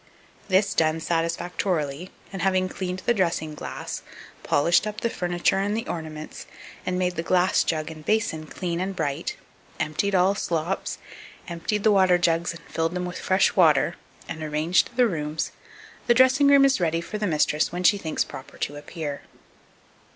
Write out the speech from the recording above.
This done satisfactorily, and having cleaned the dressing glass, polished up the furniture and the ornaments, and made the glass jug and basin clean and bright, emptied all slops, emptied the water jugs and filled them with fresh water, and arranged the rooms, the dressing room is ready for the mistress when she thinks proper to appear.